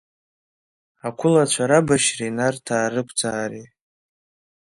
Ақәылацәа рабашьреи нарҭаа рықәӡаареи.